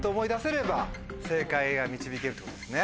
正解が導けるってことですね。